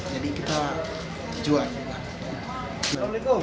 jadi kita jual